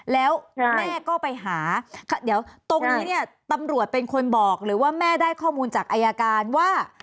แล้วแม่ก็ไปหาเดี๋ยวตรงนี้เนี่ยตำรวจเป็นคนบอกหรือว่าแม่ได้ข้อมูลจากอายการว่า